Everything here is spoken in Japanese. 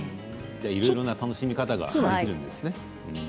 いろいろな楽しみ方ができるんですね。